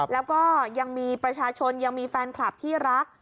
แล้วก็ยังมีประชาชนยังมีแฟนคลับที่รัก